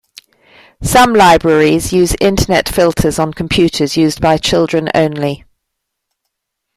Some libraries use Internet filters on computers used by children only.